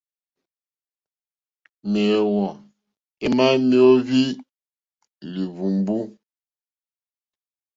Méǒhwò émá méóhwí líhwùmbú.